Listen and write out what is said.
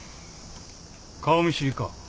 顔見知りか？